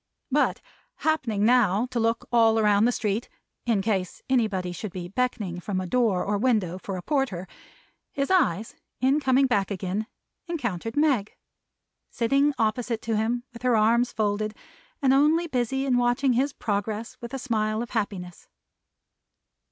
But happening now to look all round the street in case anybody should be beckoning from any door or window, for a porter his eyes, in coming back again, encountered Meg: sitting opposite to him, with her arms folded; and only busy in watching his progress with a smile of happiness.